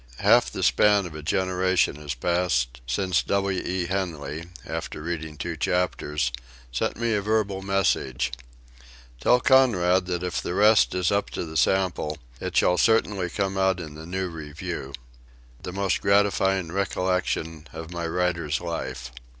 Half the span of a generation has passed since W. E. Henley, after reading two chapters, sent me a verbal message: "Tell Conrad that if the rest is up to the sample it shall certainly come out in the New Review." The most gratifying recollection of my writer's life!